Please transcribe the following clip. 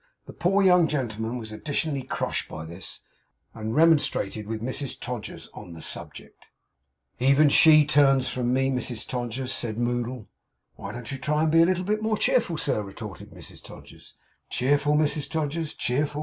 The poor young gentleman was additionally crushed by this, and remonstrated with Mrs Todgers on the subject. 'Even she turns from me, Mrs Todgers,' said Moddle. 'Then why don't you try and be a little bit more cheerful, sir?' retorted Mrs Todgers. 'Cheerful, Mrs Todgers! cheerful!